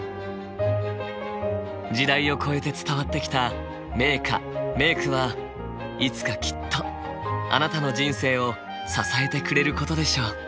時代を超えて伝わってきた名歌・名句はいつかきっとあなたの人生を支えてくれることでしょう。